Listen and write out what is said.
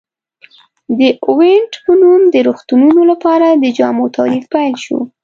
د اوینټ په نوم د روغتونونو لپاره د جامو تولید پیل شو.